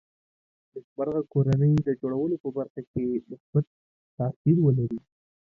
نېکمرغه کورنۍ د جوړولو په برخه کې مثبت تاثیر ولري